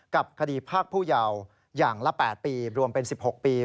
กับคดีภาคผู้เยาว์อย่างละ๘ปีรวมเป็น๑๖ปี